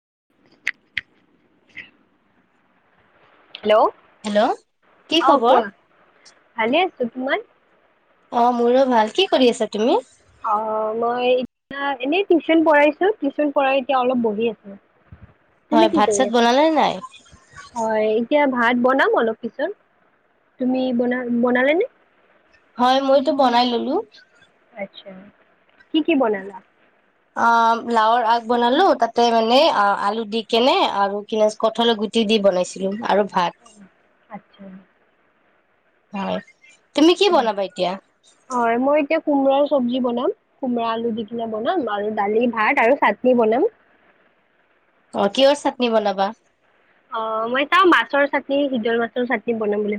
[unintelligible] Hello? Hello কি অ' খবৰ? কোৱা। ভালেই আ ছো‍ঁ। তোমাৰ? অ' মোৰো ভাল। কি কৰি আছা তুমি? অ' মই এতিয়া এনেই টিউশন পঢাইছোঁ। টিউশন পঢ়াই এতিয়া অলপ বহি আছোঁ। হয়। ভাত-চাত বনালে নে নাই? হয় এতিয়া ভাত বনাম অলপ পিছত। তুমি বনা- বনালে নে? হয়, মইতো বনাই ললোঁ। আচ্ছা। কি কি বনালা? অ' লাওৰ আগ বনালোঁ। তাতে মানে অ'- আলু দিকেনে আৰু কি আছ- কঠল গুটি দি বনাইছিলোঁ। আৰু ভাত উম, আচ্ছা। হয়। তুমি কি বনাবা এতিয়া? হয় মই এতিয়া কোমোৰাৰ চব্জি বনাম। কোমৰা-আলু দি কিনে বনাম আৰু দালি, ভাত আৰু চাটনি বনাম। অ' কিহৰ চাটনি বনাবা? অ' মই চাওঁ, মাছৰ চাটনি- হিদল মাছৰ চাটনি বনাম বুলি ভাবিছোঁ।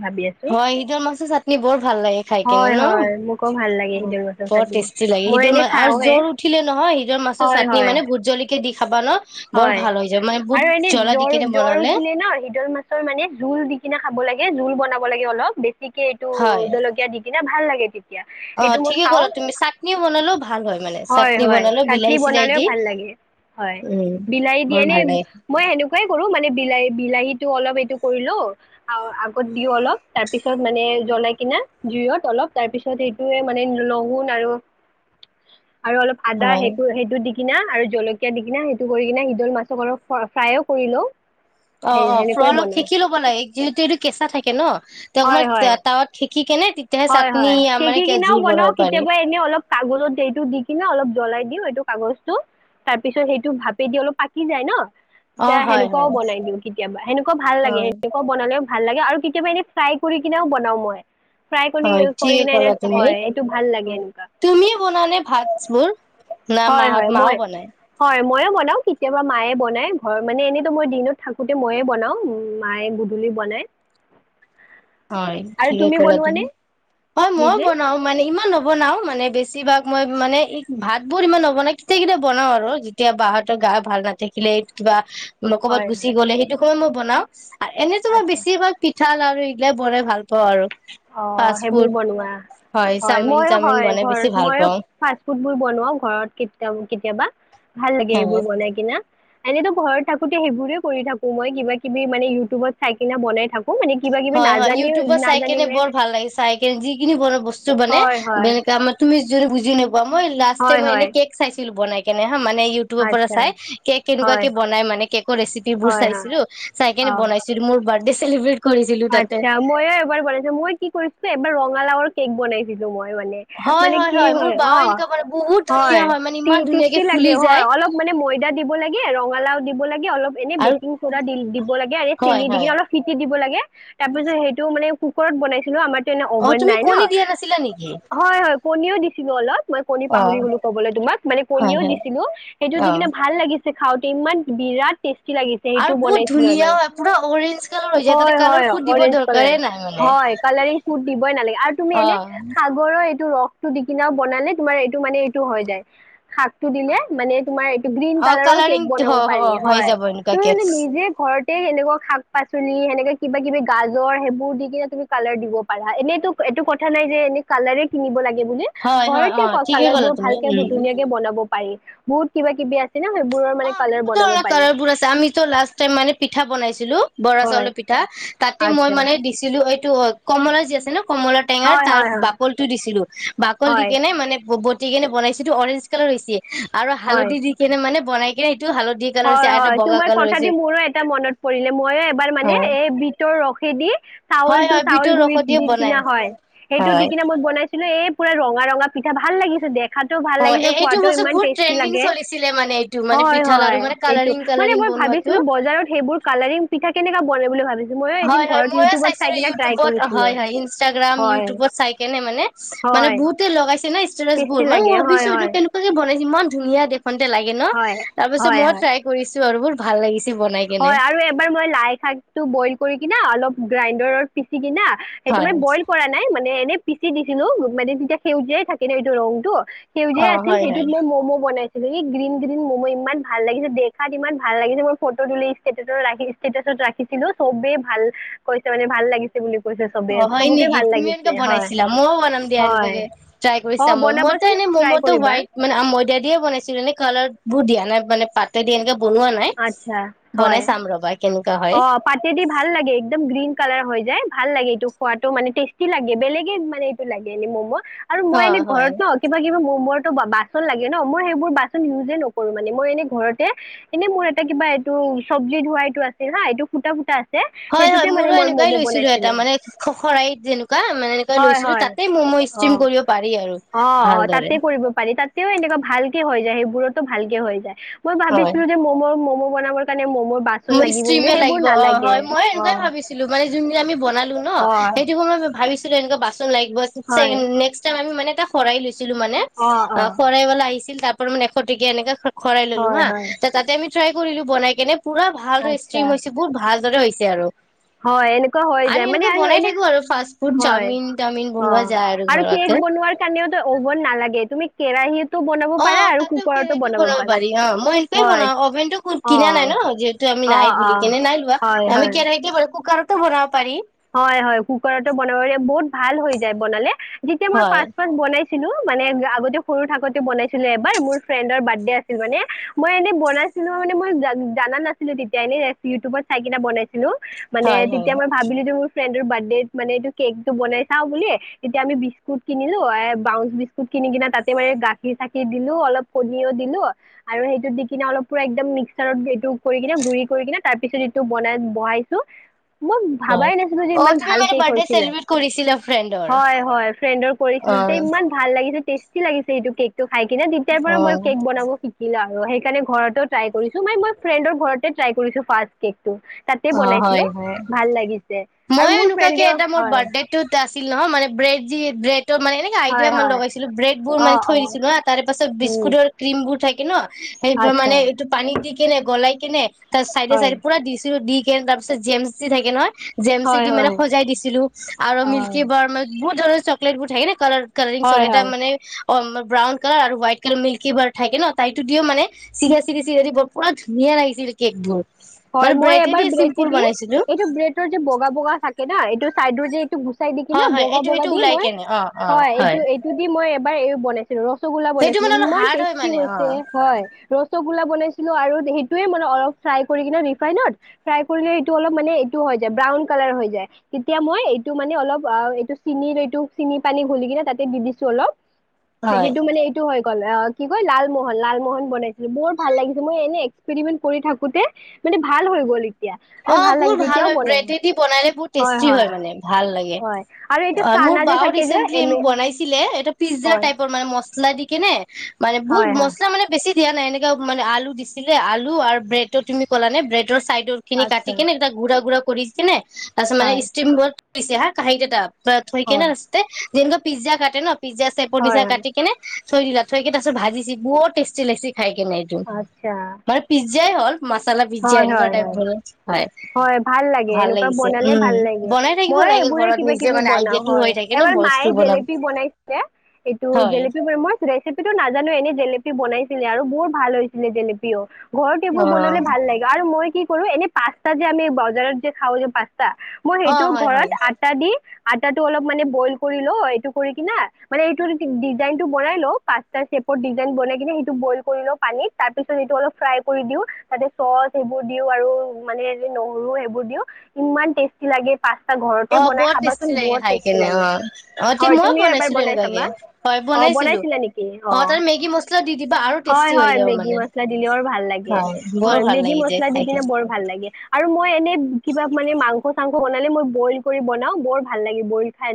হয়, হিদল মাছৰ চাটনি বৰ ভাল লাগে খাই কেনে হয় হয় মোকো ভাল লাগে ন'? হিদল মাছৰ বৰ চাটনি টেষ্টি লাগে। মই হিদল এনে মা- আৰু খাওঁৱে জ্বৰ উঠিলে নহয়, হিদল মাছৰ হয় চাটনি হয় মানে ভূত জলকীয়া দি খাবা ন' বৰ হয়। ভাল হৈ যায় মানে বুট আৰু এনেই জ্বলা দি জ্বৰ কেনে - জ্বৰ বনালে উঠিলে ন', হিদল মাছৰ মানে জোল দি কিনে খাব লাগে। জোল বনা ব লাগে অলপ। বে ছিকে এইটো হয়। জলকীয়া দি এনেই ভাল লাগে তেতিয়া। অ সেইটো মই ঠিকে খাওঁ কলা তুমি চাটনি বনালেও ভাল হয়। মানে চাটনি হয় বনালে চাটনি বিলাহী চিলাহী বনালেও দি ভাল লাগে হয় ওঁম। বিলাহী দিয়ে নে, মই সেনেকুৱাই কৰোঁ মানে। বিলাহী বিলাহীটো অলপ এইটো কৰি লওঁ। আগত দিওঁ অলপ তাৰপিছত মানে জ্বলাই কিনে জুইত অলপ তাৰপিছত এইটোয়ে মানে লহুন আৰু। আৰু অলপ আদা হয় সেইটো সেইটো দি কি। না আৰু জলকীয়া দিকিনে। গৈকিনে সিদল মাছক অলপ ফ্ৰাইও কৰি লওঁ। অঁ সেই অঁ ফ্ৰ সেনেকৈয়ে অলপ বনাওঁ হেকি ল'ব লাগে ন, যিহেতু এইটো কেঁচা থাকে ন। তাক মই হয় হয় তাৱাত হেকী। কি কেনে। তেতিয়াহে হয় চাটনি হয় মানে সেকি কিনেও জোল বনাওঁ। বনাব পাৰি কেতিয়াবা এনে অলপ কাগজতো দি কিনে অলপ জলাই দিওঁ। কাগজটো তাৰ পিছত সেইটো ভাপেদি অলপ পাকি যায় ন। অ তেতিয়া হয় সেনেকুৱাওঁ হয় বনাই দিওঁ। কেতিয়াবা সেনেকুৱা ভাল লাগে। হয় সেনেকুৱাও বনালেওঁ। ভাল লাগে আৰু কেতিয়াবা এনেই ফ্ৰাই কৰি কিনেওঁ বনাওঁ মই। ফ্ৰাই কৰি হয় কৰি ঠিকেই কিনে এনে ক'লা তুমি। হয় এইটো ভাল লাগে এনেকুৱা তুমিয়ে বনোৱা ভাতবোৰ। হয় হয় মই হয়। ময়ো বনাওঁ। কেতিয়াবামায়ে বনাই ঘৰত মানে এনেইতো মই দিনত থাকোতে মায়ে বনাওঁ মায়ে গধূলি বনায়। হয় ঠিকে কলা তুমি। হয় মইওঁ নিজে বনাওঁ মানে ইমান নবনাওঁ মানে। বেছিভাগ মই মানে ভাত বোৰ ইমান নবনাওঁ। কেতিয়া কেতিয়া বনাওঁ আৰু যেতিয়া বাই হতৰ গা ভাল নাথাকিলে কিবা। ক'বাত হয় গুচি হয় গলে সেইটো সময় মই। বনাওঁ। আৰু এনে তোমাৰ আচ্ছা বেছি ভাগ। চাউল আৰু ই। দে বৰে ভাল পাওঁ আৰু, অঁ। ফাষ্ট সেইবোৰ ফুড বনোৱা হয় চাওমিন মইয়ো চাওমিন হয় বনাই বেছি ঘৰত ভাল মইয়ো পাওঁ ফাষ্ট ফুডবোৰ বনোৱাও ঘৰত কেতি কেতিয়াবা। ভাল লাগে এইবোৰ হয় বনাই কি না। এনেতো ঘৰত থাকোতে সেইবোৰে কৰি থাকো মই কিবা কিবি মানে ইউটিউবত চাই কিনে বনাই থাকো। অঁ মানে কিবা কিবি হয় হয় নাজানি ইউটিউবত চাই কেনে নাজানিলে, বৰ ভাল লাগে চাই কিনে যিখিনি বৰ বস্তু। ব মান হয় হয় [unintelligible] যিনে। মই লাষ্ট হয় মই এনে হয়। কেক চাইছিলো বনাই। কেনে মানে ইউটিউবৰ পৰা আচ্ছা চাই কেক হয় কেনেকুৱাকে বনাই মানে কেকৰ ৰেচিপিবোৰ হয় হয় চাইছিলো চাই অ কেনে বনাইছিলো মোৰ। চেলিব্ৰেট কৰিছিলো তাতে আচ্ছা মইয়ো এবাৰ বনাইছো মই কি কৰিছে। বাৰ ৰঙালাওৰ কেক বনাইছিলো মই। মানে হয় মানে কি মোৰ হয় বাও অঁ এনেকুৱা মানে বহুত ধুনীয়া হয় মানে টি ইমান ধুনীয়াকে টেষ্টি ফুলি লাগে যায় হয় অলপ মানে মইদা দিব লা। ৰঙালাওঁ দিব লাগে। অলপ এনে আৰু বেকিং চ'ডা দিব লাগে আৰু হয় চেনি দি হয় কিনে অলপ ফিটি দিব লাগে। মই যে সেই টো মানে কুকাৰত বনাইছিলো আমাৰ। তেনে অ অভান তুমি নাই ন কণী দিয়া নাছিলা নেকি হয় হয় পনীয়। অলপ মই কণী অ পাহৰি গলো কবলৈ তোমাক মানে হয় কণীওঁ হয় দিছিলো সেইটো অ দি কিনে ভাল লাগিছিল খাওঁতে ইমান বিৰাট। সেইটো আৰু বহুত বনাইছিলো ধুনীয়া এবাৰ পুৰা অৰেঞ্জ কালাৰ হৈ যায় হয় তাতে কালা হয় অৰেঞ্জ কালাৰ হয়। কালাৰিং ফুড দিবই নালাগে আৰু তুমি অ', এনেই সাগৰৰ। এইটো ৰসটো দি কিনা বনালে তোমাৰ এইটো মানে এইটো হৈ যায়। শাক টো দিলে মানে তোমাৰ এইটো গ্ৰীণ অ', কালাৰৰ কেক কালাৰিং বনাব অ', অ পাৰি হৈ হয় যাব তুমি এনেকুৱাকে মানে নিজে ঘৰত। তে সেনেকুৱা শাক পাচলি সেনেকা কিবা কিবি গাজৰ সেইবোৰ দি কিনে তুমি কালাৰ দিব পাৰা এনেটো এইটো কথা নাই যে এনে তুমি কালাৰ কিনিব লাগে। ব হয়, হয়, ঘৰতে অ', ঠিকে কালাৰ ক'লা বোৰ তুমি ভালকে উম। ধুনীয়াকে বনাব। পাৰি বহুত কিবা কিবি আছে। ন সেইবোৰৰ মানে অঁ কালাৰ বহুত বনাব ধৰণৰ পাৰি কালাৰ বোৰ আছে আমিতো লাষ্ট টাইম মানে পিঠা বনাইছিলো বৰা হয় চাউলৰ পিঠা। তাতে মই আচ্ছা মানে দিছিলোঁ এ। টো হয় কমলা যি আছে ন। কমলাৰ টেঙাৰ হয় তাৰ হয় হয় বাকল টো দিছিলো বাকল দি হয় কেনে মানে। দিকেনে বনাইছিলো অৰেঞ্জ কালাৰ হৈছে। আৰু হয়, হালধি দি কেনে মানে। বনাই [inaudible] কালাৰ হৈছে হয় আৰু এটা হয় বগা তোমাৰ কালাৰ কথা হৈছে দি মোৰো এটা মনত পৰিলে মইয়ো এবাৰ মানে হয়, এই ভিতৰ ৰসে দি হয়, চাউলটো হয় চাউল বিটৰ গুৰি ৰসত দিয়ে দি বনাই কিনা হয় সেইটো দি হয়। কিনা মই বনাইছিলো এই পুৰা ৰঙা। ৰঙা ৰঙা পিঠা ভাল লাগিছে দেখ অঁ এইটো বস্তুত বহুত ট্ৰেণ্ডিং লাগে। চলিছিলে মানে এইটো মানে হয়, পিঠাত আৰু হয়। মানে। এইটো কালাৰিং মানে কালাৰিং মই বনোৱাটো ভাবিছিলোঁ বজাৰত সেইবোৰ কালাৰিং পিঠা কেনেকা পৰে বুলি ভাবিছে হয় হয় ময়ো চাইছিলো ইউটিউবত কৰিছিলো। হয় হয় ইনষ্টাগ্ৰাম হয়, ইউটিউবত চাই কেনে মানে মানে হয়। বহুতে লগাইছে ন ষ্টেতাছবোৰ টেষ্টি মই লাগে হয়, ভাবিছো হয়, কেনেকোৱা। ‌ ন ইমান ধুনীয়া দেখ খোঙতে লাগে ন হয়, তাৰপিছত হয়, মই হয়। ট্ৰাই কৰিছো। আৰু মোৰ ভাল লাগিছে বনাই কেনে হয় আৰু এবাৰ মই লাই শাকটো বইল কৰি কিনা অলপ গ্ৰাইণ্ডাৰৰ পিচি কিনা সেইটো হয় মানে বইল কৰা নাই মানে এনেই পিচি দি কিনো মানে তেতিয়া সেউজীয়াই থাকে ন এইটো ৰংটো। অ সেউজীয়া আছিল হয় সেইটোত হয় মই ম'মো বনাইছিলো গ্ৰীণ গ্ৰীণ মম ইমান ভাল লাগিছে দেখাত ইমান ভাল লাগিছে মোৰ ফ টো তুলি ষ্টেছাত ৰাখিছিলো চবেই ভাল কৈছে মানে ভাল লাগিছে বুলি। কৈছে চবে অ হয় চবকে নেকি ভাল তুমি লাগিছে এনেকে হয় বনাইছিলা মইয়ো বনাম দিয়া হয় এনেকোৱাকে ট্ৰাই অ কৰিছাম মম' এ বনাবাচোন এনে ট্ৰাই ম'ম'টো কৰিবা হোৱাইট মানে অ ময়দা দিয়ে বনাইছিলোঁ এনে কালাৰ বহু দিয়া নাই মানে পাতে দি এনেকে বনোৱা নাই আচ্ছা বনাই হয় চাম ৰবা। কেনেকুৱা হয় অ পাতি দি ভাল লাগে একদম গ্ৰীণ কালাৰ হৈ যায়। ভাল লাগে এইটো খোৱাটো মানে টেষ্টি লাগে বেলেগে মানে এইটো লাগে এনেই ম'মো। আৰু মই অ এনে হয় ঘৰত ন কিবা কিবি মমত বাচন লাগে ন মই সেইবোৰ বাচন ইউজে নকৰোঁ মানে মই এনে ঘৰতে এনেই মোৰ এটা কিবা এইটো চব্জি ধোৱা এইটো আছে। না এইটো ফুটা ফুটা আ হয় হয় মোৰো এনেকোৱাই লৈছিলোঁ এটা মানে খখৰাহিত যে এনেকোৱা মানে এনেকুৱা হয় লৈছিলো হয় তাতে ম'ম' অ ষ্ট্ৰিম কৰিব পাৰি আৰু অ অ ভালদৰে তাতে কৰিব পাৰি তাতেও এনেকোৱা ভাল কেই হৈ যায় সেইবোৰততো ভালকে হৈ যায় মই ভাবিছিলো যে ম'মৰ ম'ম বনাব তাত মো ষ্টিমে লাগিব অ হয় মই অ এনেকোৱাই ভাবিছিলো মানে যোন যে আমি বনালো ন অ সেইটো সময়ত মই ভাবিছিলো টোত এনেকা বাচ ন লাগিব হয়, চেইম নেক্সট টাইম আমি মানে এটা চৰাই লৈ ছিলো মানে অ', অ', খৰাহি অলা আহিছে তাৰ পৰা মানে এশ টকীয়া এনেকা খৰাই ললো হয়, হা হয়, তাতে আমি ট্ৰাই কৰিলো বনাই কেনে পুৰা ভালদৰে আচ্ছা, ষ্ট্ৰ্ৰীম হৈছে বহুত ভাল। হৈছে আৰু। হয় এনেকুৱা হৈ যায় মানে, এনেকুৱা আৰু বনাই এনে থাকো আৰু ফাষ্ট ফুড হয়, চাওমিন তাওমিন অ বনোৱা যায় আৰু কেক ঘৰতে। বনোৱাৰ কাৰণেও অভন নালাগে তুমি কেৰাহীত অ তাতে কেৰাহীও বনাব পাৰি অ। মই সেইটোৱে হয়, বনাও, অভেনতটো কিনা নাই অ', ন যিহেতু আমি অ', নাই বুলি অ', কিনে নাই লোৱা। হয়, আমি হয়। কেৰাহীতে বন কুকাৰত [unintelligible] হয় হয় কুকাৰতো বনাব পাৰে। বহুত ভাল হৈ যায় বনালে যেতিয়া মই হয়, পাচ পাচ বনাই চিলো, মানে আগতে সৰু থাকোতে বনাইছিলো এবাৰ, মোৰ ফ্ৰেণ্ডৰ বাৰ্থডে আছিল মানে, মই এনেই বনাইছিলো মানে মই জানা নাছিলো তেতিয়া এনে ইউটিউবত চাই কিনে বনাইছিলো। মানে হয়, তেতিয়া হয়, মই ভাবিলো ফ্ৰেন্দৰ বাৰ্থ দেত মানে এইটো কেক বনাই চাও বুলি। তেতিয়া আমি বিস্কুট কিনিলো এ বাউঞ্চ বিস্কুট কিনি কেনে তাতে মানে গাখীৰ চাখীৰ দিলো অলপ কণীও দিলো আৰু সেইটো দি কিনে অলপ পুৰা মিকছাৰত সেইটো কৰি কিনে গুৰি কৰি কিনে তাৰ পিছত এইটো বনাই বহাইছো [inaudible] হয়। ভাবাই নাছিলো যে অ', ইমান তুমি ভাল মানে কেক বাৰ্থডে হৈছিলে। চেলিব্ৰেট কৰিছিলা ফ্ৰেণ্ডৰ হয় হয় ফ্ৰেডৰ কৰিছিলো তে অ', ইমান ভাল লাগি টেষ্টি লাগিছে এইটো কেক। ত খাই কিনে তেতিয়াৰ পৰা মই অ', কেক বনাব শিকিলো আও। আৰু সেইকাৰণে ঘৰত ট্ৰাই কৰিছো, ম মই ফ্ৰেণ্ডৰ ঘৰতে ট্ৰাই কৰিছো ফাষ্ট কেক। তাতে বনাইছিলো ভাল লাগিছিল। মই এনেকুৱাকে এটা মোৰ বাৰ্থডে টোত আ আছিল নহয় মানে ব্ৰেড যি ব্ৰে ত মে এনেকে হয় আইদিয়া মান হয় লগাইছিলো, ব্ৰেদবোৰ অ মানে অ থৈ দিছিলো হা তাৰ পাছত উম বিস্কুটৰ ক্ৰীমবোৰ থাকি কিন সেই আচ্ছা মানে এইটো পানী দি কেনে গলাই কিনে তাৰ চাইডে হয় চাইডে পুৰা [unintelligible] দি তাৰ পিছত জেমচ যে থাকে নহয় জেমচ হয় এদি মানে হয় সজাই দিছিলো আৰু অ মিল্কী বাৰ মানে বহুত ধৰৰ চকলেট বোৰ ঠাকে নে কালাৰ কলৰিংস হয় এটা হয় মানে অ ব্ৰাউন কালাৰ আৰু হোৱাইট কালাৰ মিল্কী বাৰ থাকে ন। তাইতো দিও মানে চিগা চিগা চিগা দিৰ পুৰা ধুনীয়া লাগিছিল কেকবোৰ। হয় মানে মই এবাৰ ব্ৰেডেদি ব্ৰেট চিম্পুল দিম বনাইছিলো এইটো ব্ৰেটৰ যে বগা বগা থাকে ন। এইটো চাইডৰ যে এইটো। চাই দি কি না হয় হয় বগা এইটো বগা এইটো দি ওলাই মই কেনে অ অ হয় এইটো এইটো দি মই। হয় এইও বনাই। ৰসগোল্লা সেইটো বনাইছিলো মানে অলপ ইমান হাৰ্ড হয় টেষ্টি মানে অ হৈছে হয় ৰসগো। বনাইছিলো আৰু সেইয়ে মান অলপ ফ্ৰাই। ৰিফাইনত ফাই কৰিলে এইটো অল ম এইটো য ব্ৰাউন কালাৰ হৈ যায় তেতিয়া মই এইটো মানে অলপ এইটো চ চি পানী ঘল কিনে তাতে দি দিছো অল। হয় সেইটো মানে এইটো হয়। কলে অ কি কয় লালমোহন লালমোহন বনাইছিলো বৰ ভাল লাগিছে মই এনে এক্সপেৰিমেন্ট কৰি থাকোতে। মানে ভাল হৈ গ'ল। এতিয়া মানে অ বহু লাগিছে ভাল এতিয়াও হয় বনাও ব্ৰেড দি বনাল বহু টেষ্টি হয় মানে ভাল লাগে হয় আৰু এইটো অ মোৰ চানা যে বাও থাকে যে ৰিচেন্টলি এম এ বনাইছিলে এই পিজ্জা হয় টাইপৰ মানে ম। লাই দিকে নে? মানে বহুত হয় হয় মছলা মানে বেছি। দিয়া নাই এনেককা মানে আলু দিছিলে আলু আৰু ব্ৰেডটো তুমি কল নে ব্ৰেডৰ চাইড। খিনি কাটি আচ্ছা কিনেক গ ঘুৰা গ ঘুৰা। কৰিছে নে? তাৰপিছত মানে হয় ষ্টিম বৰ্ড। পিছে হা কাহী এ তাত। থৈ কেনে হয় নস্ত। দিনক পিজা কাটে ন। পিজ্জা চেপৰ প হয় নিজা হয় কাটি কিনে। থই দিলা থৈ কি তাৰ পিছত ভাজি বহুত তেষ্টি লাগিছে। খাই কেনে আচ্ছা মানে পিজা। যীয়াই হ'ল। মছলা হয় বিজিয়ান হয় গাইপ হয় ভাল। হয় ভাল লাগে এনেকুৱা লাগিছে বনালে উম ভাল লাগে বনাই থাকিব মই লাগে এইবোৰে ঘৰত কিবা নিজে কিবি মানে বনাও আইডিয়াটো হৈ হয় থাকে ন এবাৰ বস্তু মায়ে বনাব জেলেপি বনাইছিলে এইটো হয় জেলেপি মই ৰেচিপিটো নাজানো এনে। জেলেপি বনাইছিলে আৰু বৰ ভাল হৈছিলে জেলেপিও। ঘৰতে অ এইবোৰ বনালে লে ভাল লাগে আৰু মই কি। এনে! পাস্তা যেমি বজাৰত যে খওঁ যে পা। মই অ সেইটো হয় ঘৰত হয় আটা দি। আটাটো অলপ মানে বইল কৰি ল এইটো কৰি কিনা মানে এইটো ডিজাইনটো বনাই ল পাচটা চেপত ডিজাইন বনাই কি সেইটো বইল কৰি ল পানীত তাৰপিছত সটো অল ফ্ৰাই কৰি দি তাতে চচ সবোৰ দি আৰু। মানে নহৰু সেইবোৰ দিও ইমান টেষ্টি লাগে। পাস্তা ঘৰতে অ বনাই বৰ খাবাচোন টেষ্টি লাগে বহুত খাই টেষ্টি কেনে লাগে অ অ তে হয় মই তুমিও এবাৰ বনাইছিলো বনাই এনেকুৱাকে চাবা হয় অ বনাইছিলো বনাইছিলা নেকি অ তাৰ মেগী মছলা দি দিবা আৰু হয় টেষ্টি হৈ হয় যাব মেগী মানে মছলা দিলেও ভাল লাগে হয় বৰ ভাল মেগী লাগি যে মছলা দি খাই কিনে কেনে। বৰ ভাল আৰু মই এনে কিবা মানে মাংস। মাংস বনালে মই বইল কৰি বনাও। বৰ ভাল লাগে বইল খাই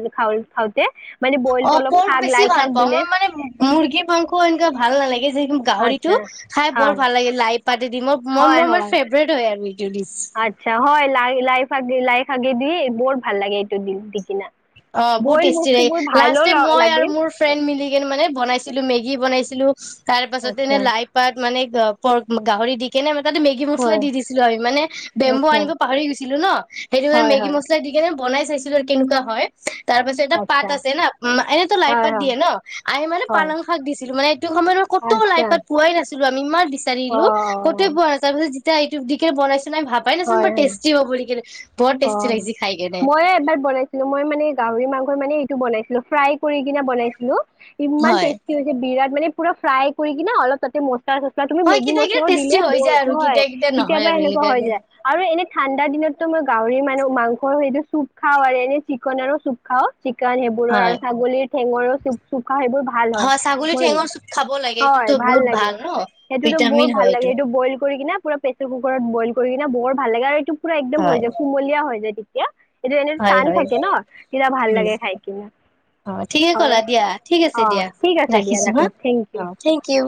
খাওঁতে। মানে অ বইলটো অলপ পৰ্ক শাক লাই বেছি ভাল শাক পাওঁ। দিলে মই মানে মুৰ্গী মাংস আঞ্জা ভাল নালাগে। যে আচ্ছা গাহৰিটো খাই বৰ হয় ভাল লাগে। লাই পাতি দি মই মই হয় মই মোৰ হয় ফেভৰেট হয় আমি। [unintelligible] আচ্ছা হয়। লাই লাইপাত লাইশাকে দি বৰ ভাল লাগে এইটো দি দিকি ন অ বহুত টেষ্টি লাগে। লাষ্ট ল- মই আৰু লাগে মোৰ ফ্ৰেণ্ড মিলি কেনে মানে বনাইছিলো, মেগী বনাই ছিলো। তাৰ পাছত তেনে আচ্ছা লাই পাত মানে পৰ্ক গাহৰি দি কেনে তাতে মেগী মছলা হয় দি দিছিলো আমি। মানে বেম্বু আচ্ছা আনিব পাহৰি গৈছিলো ন। সেইটো কাৰণে হয় মেগী হয় মছলা দি কেনে বনাই চাইছিলো আৰু কেনেকুৱা হয়। তাৰ পাছত এটা পাত আচ্ছা আছে না। এনেইতো লাই হয় পাত হয় দিয়ে ন। আমি মানে হয় পালাং শাক দিছিলো। মানে সেইটো সময়ত মই কতো আচ্ছা লাইপাত পোৱাই নাছিলো। আমি ইমান অ বিচাৰিলো, কতোৱে পোৱা নাছিল, তাৰ ইব ইটো দি কেনে বনাইছে চাই ভাবাই নাছিল হয় বাট হয় টেষ্টি হ'ব বুলি কেনে। বৰ অ টেষ্টি লাগিছে খাই কেনে মই এবাৰ বনাইছিলো। মই মানে গাহৰি মাংস মানে এইটো বনাইছিলো ফ্ৰাই কৰিকেনে বনাইছিলোঁ, ইমান হয় টেষ্টি হৈছে বিৰাট মানে পুৰা ফ্ৰাই কৰি কিনে অলপ তাতে ম তছলা তুমি হয় মেগী কেতিয়া কেতিয়া মছলাও টেষ্টি দিলে হৈ বৰ যায় আৰু হয় কেতিয়া কেতিয়া নহয় কেতিয়াবা আৰু এনেকুৱা হৈ এনেকুৱাকে যায় আৰু এনে ঠাণ্ডা দিনতটো মই উৰি মান মাংসৰ সেইটো চুপ খাও আৰু এনে চিকনৰো চুপ খাও। চিকেন সেইবোৰৰ আৰু হয়। ছাগলীৰ ঠেঙৰো চুপ চুপ সেইবোৰ ভাল হয়। ছাগলী ম ঠেঙৰ চুপ খাব লাগে হয় এইটোতো ভাল বহুত লাগে ন সেইটোতো বৰ ভিটামিন ভাল হয় লাগে। এইটো। সেইটো বইল কৰি কিনে পুৰা প্ৰেচাৰ কুকাৰত বইল কৰি কিনে বৰ ভাল লাগে আৰু এইটো পুৰা একদম হৈ হয় যাব। হৈ যায় তেতিয়া। এইটো এনে হয় টান হয় থাকে ন, তেতিয়া ভাল উম লাগে খাই কিনে। অ ঠিকে হয় ক'লা দিয়া ঠিক আছে অ, দিয়া ঠিক আছে দিয়া ৰাখিছো হা। ৰাখো। Thank uh you. Thank U.